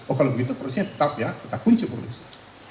oh kalau begitu produksinya tetap ya kita kunci produksi